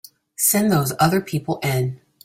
Send those other people in.